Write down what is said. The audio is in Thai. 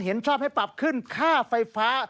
เห็นชอบให้ปรับขึ้นค่าไฟฟ้า